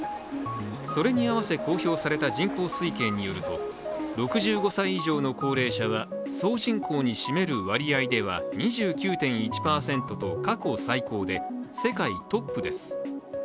それに合わせ公表された人口推計によると６５歳以上の高齢者は総人口に占める割合では２９．１％と過去最高で世界トップです。